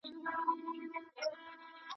ماشومان د شپي له خوا ناقراره وي